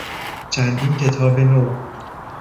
چندین کتاب نو